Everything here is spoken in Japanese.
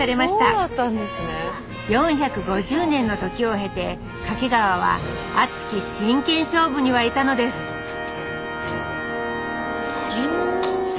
４５０年の時を経て掛川は熱き真剣勝負にわいたのですあそうか。